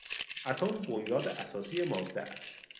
اتم بنیاد اساسی ماده است.